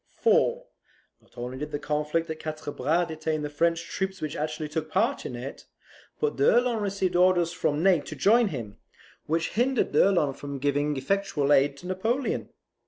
For, not only did the conflict at Quatre Bras detain the French troops which actually took part in it, but d'Erlon received orders from Ney to join him, which hindered d'Erlon from giving effectual aid to Napoleon.